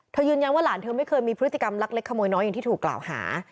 ยืนยันว่าหลานเธอไม่เคยมีพฤติกรรมลักเล็กขโมยน้อยอย่างที่ถูกกล่าวหา